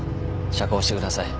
釈放してください。